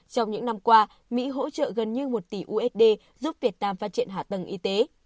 trong những năm qua mỹ hỗ trợ gần như một tỷ usd giúp việt nam phát triển hạ tầng y tế